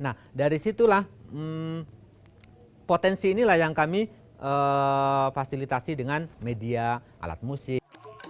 nah dari situlah potensi inilah yang kami fasilitasi dengan media alat musik